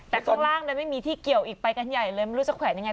แต่ข้างล่างเลยไม่มีที่เกี่ยวอีกไปกันใหญ่เลยไม่รู้จะแขวนยังไง